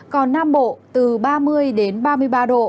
còn nam bộ từ ba mươi đến ba mươi ba độ